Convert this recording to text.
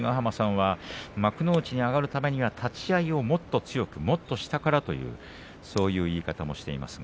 幕内に上がるためには立ち合いをもっと強く、もっと下からというそういう言い方をしていました。